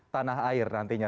tanah air nantinya